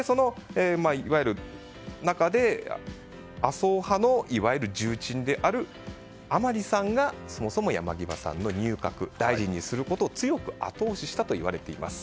いわゆるその中で麻生派の重鎮である甘利さんがそもそも山際さんの入閣大臣をすることを強く後押ししたといわれています。